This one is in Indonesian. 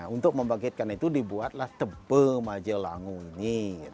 untuk membangkitkan itu dibuatlah tebel majelangu ini